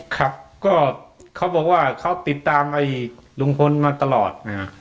ครับก็เขาบอกว่าเขาติดตามลุงพนซีอายามาตลอด